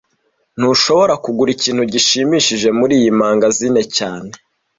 Ntushobora kugura ikintu gishimishije muriyi mangazini cyane